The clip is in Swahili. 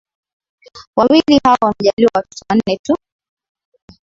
Wawili hao wamejaliwa watoto wanne tu